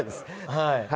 はい。